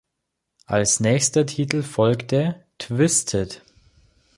Als nächster Titel folgte "Twisted".